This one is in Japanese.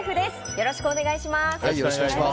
よろしくお願いします。